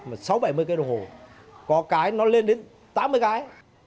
mà sáu bảy mươi cây đồng hồ có cái nó lên đến tám mươi cái